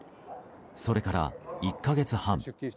それから１か月半。